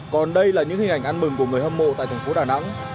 còn đây là những hình ảnh ăn mừng của người hâm mộ tại thành phố đà nẵng